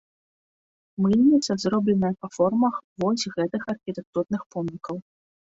Мыльніца зробленая па формах вось гэтых архітэктурных помнікаў.